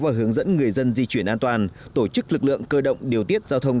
và hướng dẫn người dân di chuyển an toàn tổ chức lực lượng cơ động điều tiết giao thông